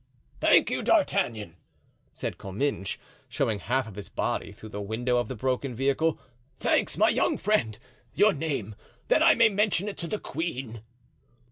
"Thank you, D'Artagnan," said Comminges, showing half of his body through the window of the broken vehicle, "thanks, my young friend; your name—that I may mention it to the queen."